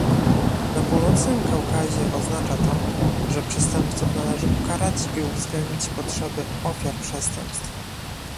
Na Północnym Kaukazie oznacza to, że przestępców należy ukarać i uwzględnić potrzeby ofiar przestępstw